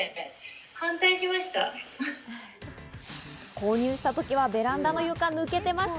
購入した時はベランダの床は抜けてました。